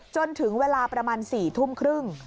จนถึงเวลาประมาณ๔ทุ่มครึ่ง